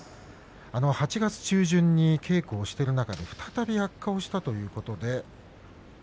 ８月中旬に稽古している中で再び悪化したということでした。